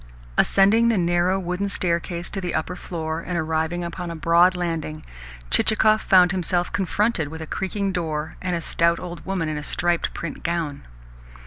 Ascending the narrow wooden staircase to the upper floor, and arriving upon a broad landing, Chichikov found himself confronted with a creaking door and a stout old woman in a striped print gown.